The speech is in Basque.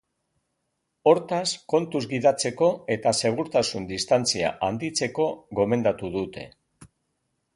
Hortaz, kontuz gidatzeko eta segurtasun distantzia handitzeko gomendatu dute.